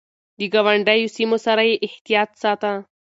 د ګاونډيو سيمو سره يې احتياط ساته.